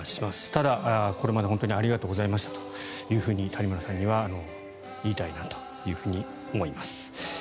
ただ、これまで本当にありがとうございましたというふうに谷村さんには言いたいなと思います。